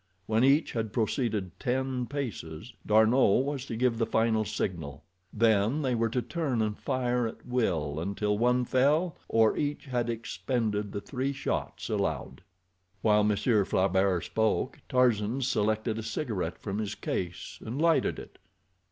When each had proceeded ten paces D'Arnot was to give the final signal—then they were to turn and fire at will until one fell, or each had expended the three shots allowed. While Monsieur Flaubert spoke Tarzan selected a cigarette from his case, and lighted it.